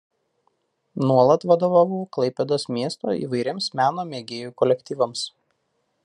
Nuolat vadovavo Klaipėdos miesto įvairiems meno mėgėjų kolektyvams.